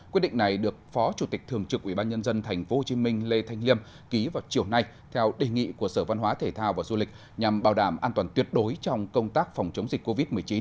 quyết định này được phó chủ tịch thường trực ubnd tp hcm lê thanh liêm ký vào chiều nay theo đề nghị của sở văn hóa thể thao và du lịch nhằm bảo đảm an toàn tuyệt đối trong công tác phòng chống dịch covid một mươi chín